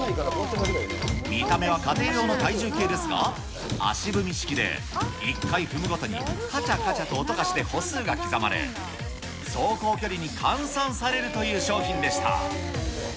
見た目は家庭用の体重計ですが、足踏み式で、１回踏むごとにかちゃかちゃと音がして歩数が刻まれ、走行距離に換算されるという商品でした。